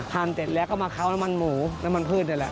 เสร็จแล้วก็มาเข้าน้ำมันหมูน้ำมันพืชนี่แหละ